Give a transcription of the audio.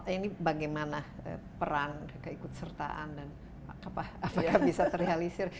ini bagaimana peran keikutsertaan dan apakah bisa terrealisir